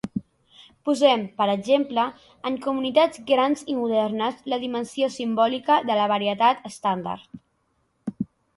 Posem, per exemple, en comunitats grans i modernes, la dimensió simbòlica de la varietat estàndard.